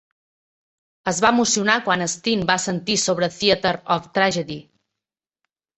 Es va emocionar quan Stene va sentir sobre Theater of Tragedy.